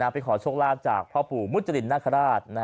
ไปขอโชคลาภจากพ่อปู่มุจรินนาคาราช